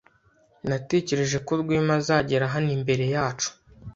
Natekereje ko Rwema azagera hano imbere yacu.